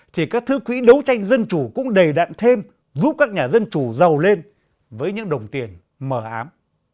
thì các thứ quỹ đấu tranh dân chủ cũng đầy đạn thêm giúp các nhà dân chủ giàu lên với những đồng tiền mờ ám